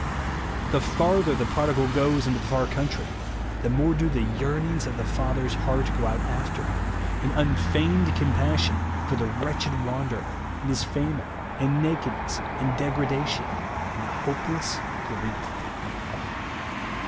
The farther the prodigal goes into the far country, the more do the ycc" .nings of the father's heart go out after him, in unfeigned compassion for the wretched wanderer, in his famine, and nakedness, and degradation, and hopeless grief.